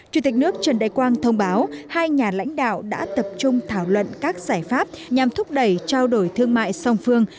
chủ tịch nước trần đại quang thông báo hai nhà lãnh đạo đã tập trung thảo luận các giải pháp nhằm thúc đẩy trao đổi thương mại song phương